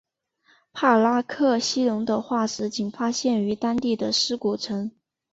帕拉克西龙的化石仅发现于当地的尸骨层。